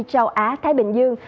châu á thái bình dương